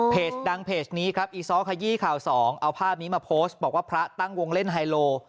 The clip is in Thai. ดังเพจนี้ครับอีซ้อขยี้ข่าวสองเอาภาพนี้มาโพสต์บอกว่าพระตั้งวงเล่นไฮโล